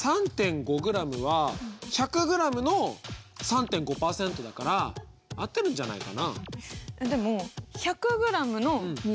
そこで３．５ｇは１００ｇの３．５％だから合ってるんじゃないかな？